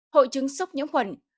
hội chứng sốc nhiễm khuẩn